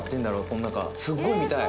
この中」「すごい見たい。